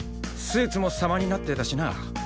スーツも様になってたしな。